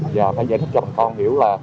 và phải giải thích cho bà con hiểu là